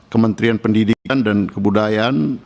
kementerian pendidikan dan kebudayaan